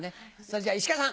じゃあ石川さん。